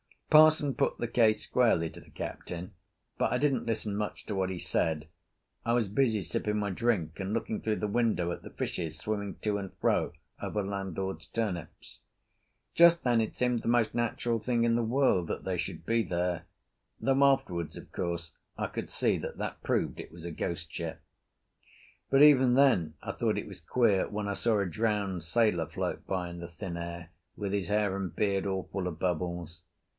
Parson put the case squarely to the Captain, but I didn't listen much to what he said; I was busy sipping my drink and looking through the window at the fishes swimming to and fro over landlord's turnips. Just then it seemed the most natural thing in the world that they should be there, though afterwards, of course, I could see that that proved it was a ghost ship. But even then I thought it was queer when I saw a drowned sailor float by in the thin air with his hair and beard all full of bubbles.